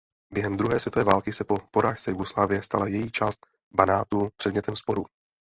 Během druhé světové války se po porážce Jugoslávie stala její část Banátu předmětem sporů.